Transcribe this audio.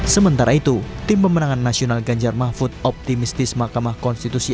sementara itu tim pemenangan nasional ganjar mahfud optimistis mahkamah konstitusi